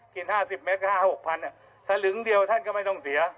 กินห้าสิบเม็ดห้าหกพันถ้าหลึงเดียวท่านก็ไม่ต้องเสีย